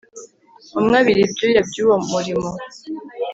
Umwe abira ibyuya byuwo murimo